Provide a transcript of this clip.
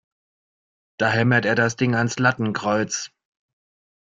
Da hämmert er das Ding ans Lattenkreuz!